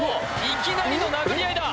いきなりの殴り合いだ